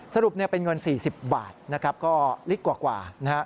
สรุปเป็นเงิน๔๐บาทก็ลิกกว่า